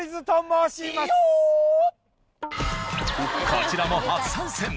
こちらも初参戦